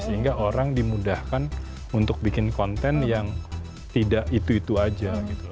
sehingga orang dimudahkan untuk bikin konten yang tidak itu itu aja gitu